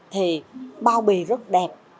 thì bao bì rất đẹp